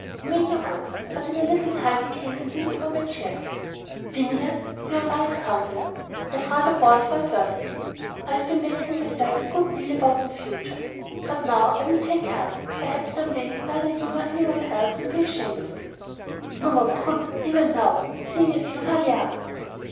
He made no answer, but in a little time he came and leaned over my chair. "Phineas, you are a wise counsellor 'a brother born for adversity.' I have been vexing myself a good deal about my future, but now I will take heart. Perhaps, some day, neither you nor any one else will be ashamed of me." "No one could, even now, seeing you as you really are."